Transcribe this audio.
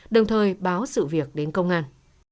đồng thời báo sự việc đến công an